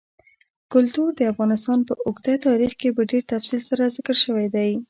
کلتور د افغانستان په اوږده تاریخ کې په ډېر تفصیل سره ذکر شوی دی.